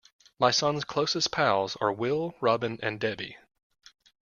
My son's closest pals are Will, Robin and Debbie.